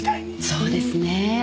そうですねえ。